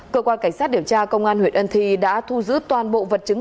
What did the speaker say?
cơ quan cảnh sát điều tra công an huyện ân thi đã thu giữ toàn bộ vật chứng